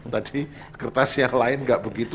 tadi kertas yang lain nggak begitu